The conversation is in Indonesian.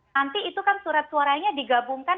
nanti itu kan surat suaranya digabungkan